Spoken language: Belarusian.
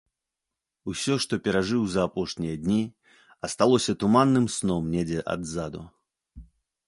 Усё, што перажыў за апошнія дні, асталося туманным сном недзе адзаду.